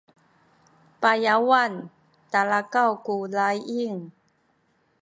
payawan talakaw ku laying